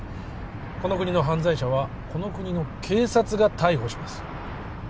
この国の犯罪者はこの国の警察が逮捕します